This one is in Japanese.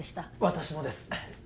私もです